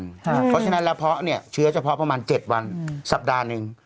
เพราะฉะนั้นแล้วเพาะเนี่ยเชื้อเฉพาะประมาณ๗วันสัปดาห์หนึ่ง